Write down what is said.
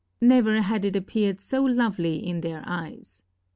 Never had it appeared so lovely in their eyes.